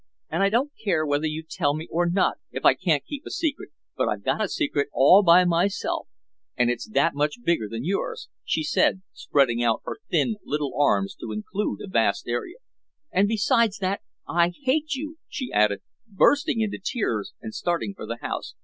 And I don't care whether you tell me or not if I can't keep a secret, but I've got a secret all by myself and it's that much bigger than yours," she said, spreading out her thin, little arms to include a vast area. "And besides that, I hate you," she added, bursting into tears and starting for the house.